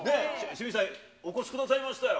清水さん、お越しくださいましたよ。